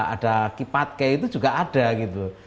ada kipatke itu juga ada gitu